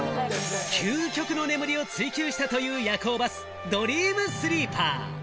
究極の眠りを追求したという夜行バス、ドリームスリーパー。